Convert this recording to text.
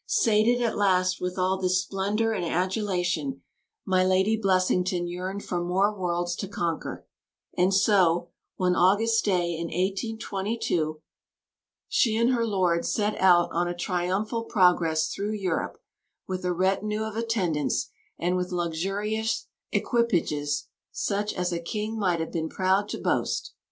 Sated at last with all this splendour and adulation, my Lady Blessington yearned for more worlds to conquer; and so, one August day in 1822, she and her lord set out on a triumphal progress through Europe, with a retinue of attendants, and with luxurious equipages such as a king might have been proud to boast.